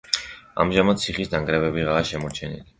ამჟამად ციხის ნანგრევებიღაა შემორჩენილი.